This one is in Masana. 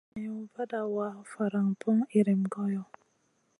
Ciwn vada wa, faran poŋ iyrim goyo.